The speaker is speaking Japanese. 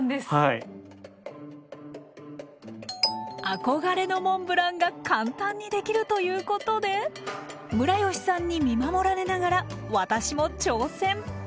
憧れのモンブランが簡単にできるということでムラヨシさんに見守られながら私も挑戦！